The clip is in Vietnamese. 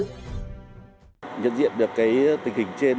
nhận diện được tình hình trên